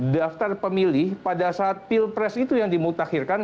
daftar pemilih pada saat pilpres itu yang dimutakhirkan